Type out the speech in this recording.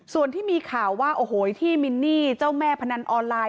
ส่วนที่มีข่าวว่าโอ้โหที่มินนี่เจ้าแม่พนันออนไลน์